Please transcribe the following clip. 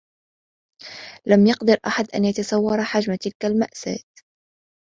لم يقدر أحد أن يتصوّر حجم تلك المأساة.